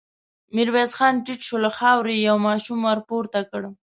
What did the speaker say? ميرويس خان ټيټ شو، له خاورو يې يو ماشوم ور پورته کړ.